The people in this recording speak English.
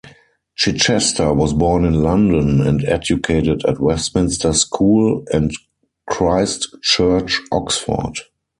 Chichester was born in London and educated at Westminster School and Christ Church, Oxford.